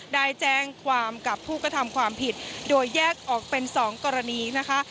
ได้แจ้งความกับผู้กระทำความผิดโดยแยกออกเป็น๒กรณีนะคะ